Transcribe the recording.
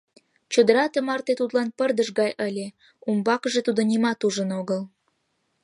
Чодыра тымарте тудлан пырдыж гай ыле, умбакыже тудо нимат ужын огыл.